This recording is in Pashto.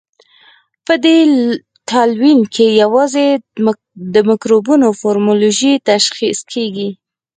په دې تلوین کې یوازې د مکروبونو مورفولوژي تشخیص کیږي.